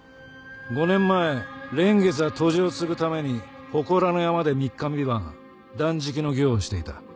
５年前蓮月は杜氏を継ぐために祠の山で三日三晩断食の行をしていた。